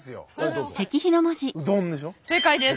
正解です。